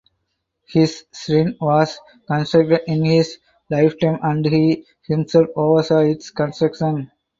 His shrine was constructed in his lifetime and he himself oversaw its construction.